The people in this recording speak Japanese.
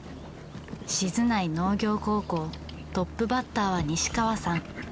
静内農業高校トップバッターは西川さん。